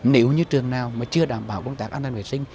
nếu như trường nào mà chưa đảm bảo công tác an ninh vệ sinh